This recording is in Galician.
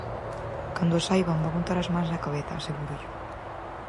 Cando o saiban van botar as mans á cabeza, asegúrollo.